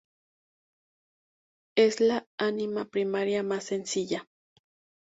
Es la amina primaria más sencilla.